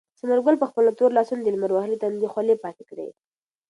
ثمر ګل په خپلو تورو لاسونو د لمر وهلي تندي خولې پاکې کړې.